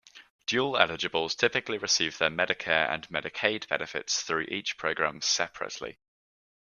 Dual-eligibles typically receive their Medicare and Medicaid benefits through each program separately.